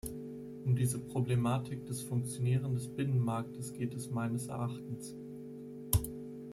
Um diese Problematik des Funktionieren des Binnenmarktes geht es meines Erachtens.